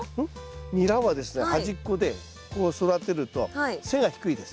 ニラはですね端っこで育てると背が低いです。